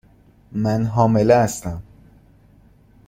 من حامله هستم.